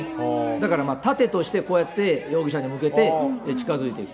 だから盾としてこうやって容疑者に向けて近づいていく。